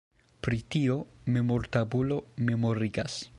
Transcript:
Pri tio memortabulo memorigas.